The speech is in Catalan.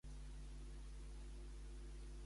El rap és increïble.